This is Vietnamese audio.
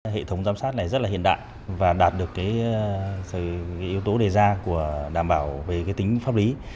hệ thống giám sát này rất là hiện đại và đạt được yếu tố đề ra của đảm bảo về tính pháp lý